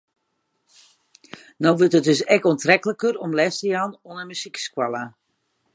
No wurdt it dus ek oantrekliker om les te jaan oan in muzykskoalle.